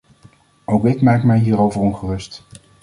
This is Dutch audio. Ook ik maak mij hierover ongerust.